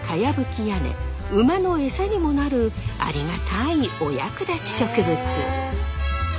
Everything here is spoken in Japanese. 屋根馬のエサにもなるありがたいお役立ち植物。